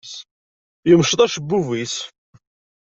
Yemceḍ acebbub-is.